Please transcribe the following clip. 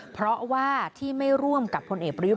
เพราะว่าที่ไม่ร่วมกับพลเอกประยุทธ์